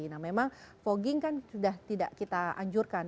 nah memang fogging kan sudah tidak kita anjurkan